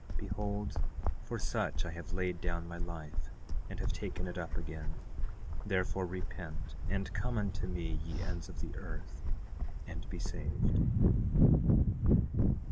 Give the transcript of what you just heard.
Behold, for such I have laid down my life, and have taken it up again; therefore repent, and come unto me ye ends of the earth, and be saved.